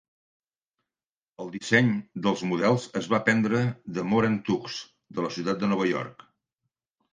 El disseny dels models es va prendre de Moran Tugs de la ciutat de Nova York.